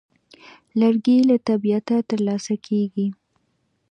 لرګی له طبیعته ترلاسه کېږي.